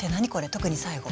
特に最後。